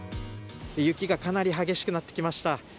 雪がかなり激しくなってきました。